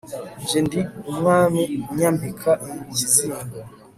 nje ndi umwami unyambika ikizingo